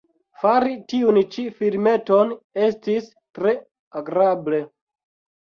Fari tiun ĉi filmeton estis tre agrable.